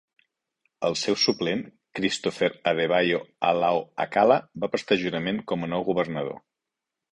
El seu suplent, Christopher Adebayo Alao-Akala, va prestar jurament com a nou governador.